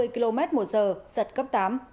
năm mươi km một giờ giật cấp tám